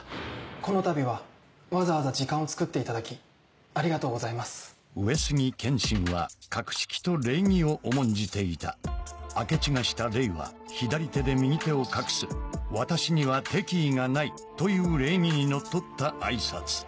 このたびはわざわざ時間をつくっていただきありがとうございます上杉謙信は格式と礼儀を重んじていた明智がした礼は左手で右手を隠す「私には敵意がない」という礼儀にのっとった挨拶